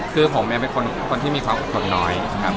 คือผมเองเป็นคนที่มีความอดทนน้อยนะครับ